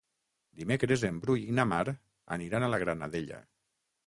Dimecres en Bru i na Mar aniran a la Granadella.